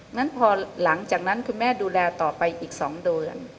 งั้นพอหลังจากนั้นคุณแม่ดูแลต่อไปอีก๒เดือน